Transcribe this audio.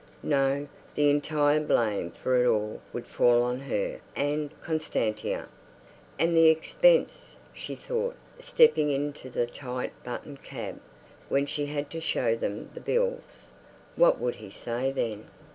No, the entire blame for it all would fall on her and Constantia. And the expense, she thought, stepping into the tight buttoned cab. When she had to show him the bills. What would he say then?